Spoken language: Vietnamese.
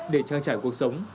để trang trải cuộc sống